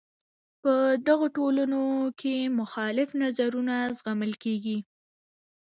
په دغو ټولنو کې مخالف نظرونه زغمل کیږي.